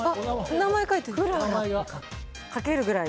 名前書いてる。書けるぐらい？